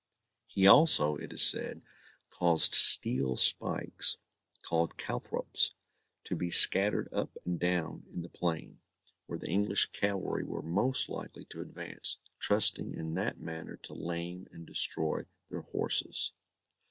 He also, it is said, caused steel spikes, called calthrops, to be scattered up and down in the plain, where the English cavalry were most likely to advance, trusting in that manner to lame and destroy their horses.